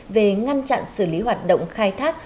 về ngăn chặn xử lý hoạt động khai thác